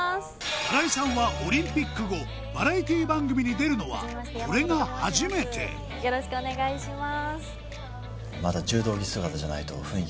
新井さんはオリンピック後バラエティ番組に出るのはこれが初めてよろしくお願いします